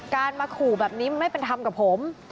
การมาขู่แบบนี้มันไม่เป็นธรรมกับผม